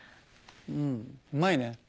うんうまいね。